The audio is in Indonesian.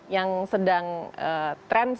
yang sedang trend sekarang ini dompet